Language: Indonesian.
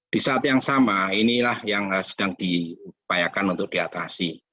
di saat yang sama inilah yang sedang diupayakan untuk diatasi